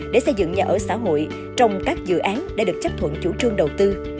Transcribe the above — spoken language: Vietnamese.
để xây dựng nhà ở xã hội trong các dự án để được chấp thuận chủ trương đầu tư